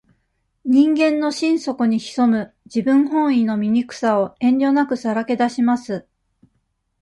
人間の心底に潜む、自分本位の醜さを、遠慮なくさらけ出します。